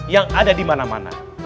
yang ada di mana mana